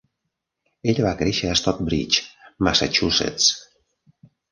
Ella va créixer a Stockbridge, Massachusetts.